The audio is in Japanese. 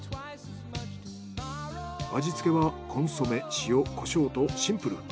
味付けはコンソメ塩コショウとシンプル。